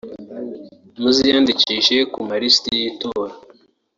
muziyandikishe ku malisiti y’itora